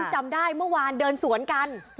จำได้เมื่อวานเดินสวนกัน